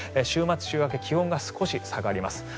週末、週明け気温が少し下がります。